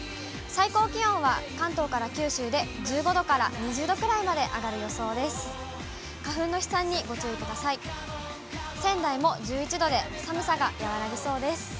最高気温は関東から九州で１５度から２０度ぐらいまで上がる予想です。